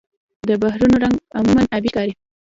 د بحرونو رنګ عموماً آبي ښکاري.